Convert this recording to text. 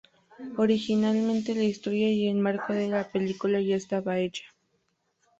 Originalmente la historia y el marco de la película ya estaba hecha.